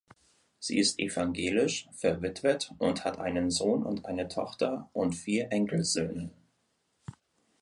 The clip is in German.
Sie ist evangelisch, verwitwet und hat einen Sohn und eine Tochter und vier Enkelsöhne.